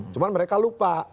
cuma mereka lupa